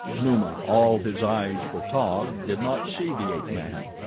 Numa, all his eyes for Taug, did not see the ape man.